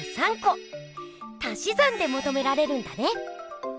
たしざんでもとめられるんだね！